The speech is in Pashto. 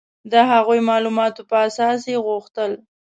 د هغو معلوماتو په اساس یې غوښتل.